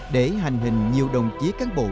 để hành hình nhiều đồng chí cán bộ